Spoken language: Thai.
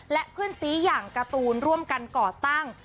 และเพื่อนซีอย่างการ์ตูนร่วมกันก่อตั้ง